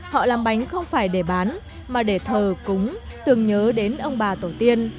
họ làm bánh không phải để bán mà để thờ cúng tưởng nhớ đến ông bà tổ tiên